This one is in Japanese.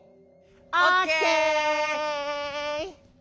オッケー！